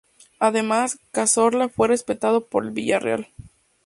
Además, Cazorla fue repescado por el Villarreal.